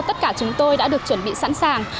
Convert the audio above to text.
tất cả chúng tôi đã được chuẩn bị sẵn sàng